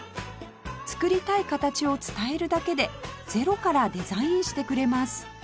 作りたい形を伝えるだけでゼロからデザインしてくれます